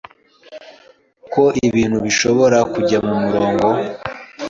ko ibintu bishobora kujya ku murongo